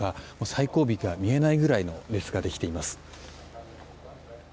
最後尾が見えないくらい列ができています。